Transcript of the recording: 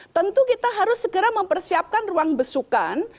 tentu kita harus segera mempersiapkan ruang besukan